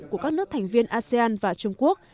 của các nước thành viên asean và trung quốc